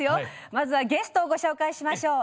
まずはゲスト、ご紹介しましょう。